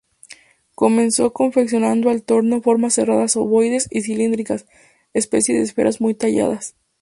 Comenzó confeccionado al torno formas cerradas ovoides y cilíndricas, especie de esferas muy talladas.